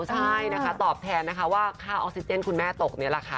ใช่นะคะตอบแทนนะคะว่าค่าออกซิเจนคุณแม่ตกนี่แหละค่ะ